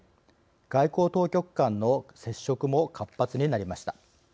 外交当局間の接触も活発になりました。